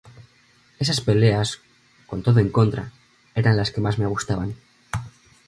Esas peleas, con todo en contra, eran las que más me gustaban".